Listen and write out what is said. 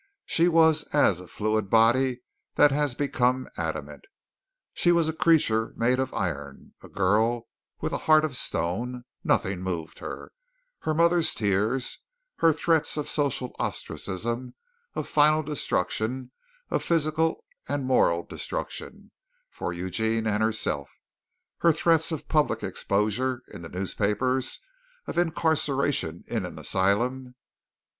She was as a fluid body that has become adamant. She was a creature made of iron, a girl with a heart of stone; nothing moved her her mother's tears, her threats of social ostracism, of final destruction, of physical and moral destruction for Eugene and herself, her threats of public exposure in the newspapers, of incarceration in an asylum.